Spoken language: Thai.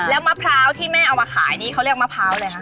แล้วมะพร้าวที่แม่เอามาขายนี่เขาเรียกมะพร้าวอะไรคะ